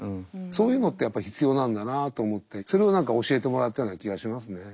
そういうのってやっぱり必要なんだなあと思ってそれを何か教えてもらったような気がしますね。